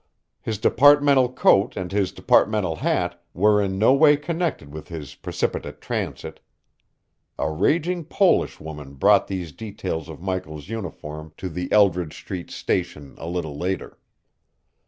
His departmental coat and his departmental hat were in no way connected with his precipitate transit. A raging Polish woman brought these details of Michael's uniform to the Eldridge street station a little later.